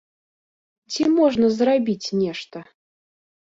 Ці можна зрабіць нешта?